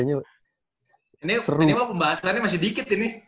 ini minimal pembahasannya masih dikit ini